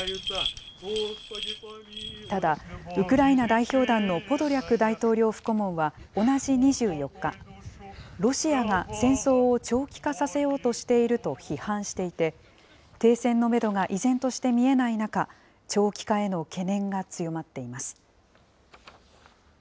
ただウクライナ代表団のポドリャク大統領府顧問は同じ２４日、ロシアが戦争を長期化させようとしていると批判していて、停戦のメドが依然として見えない中、長期化への懸念が強まっています。